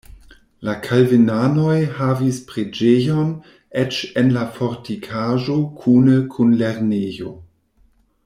La kalvinanoj havis preĝejon eĉ en la fortikaĵo kune kun lernejo.